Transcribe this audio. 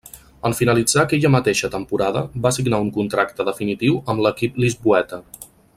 En finalitzar aquella mateixa temporada va signar un contracte definitiu amb l'equip lisboeta.